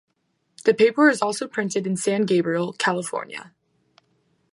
The paper is also printed in San Gabriel, California.